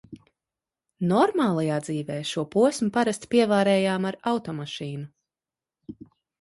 "Normālajā dzīvē" šo posmu parasti pievarējām ar automašīnu.